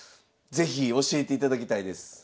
是非教えていただきたいです。